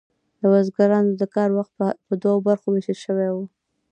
د بزګرانو د کار وخت په دوو برخو ویشل شوی و.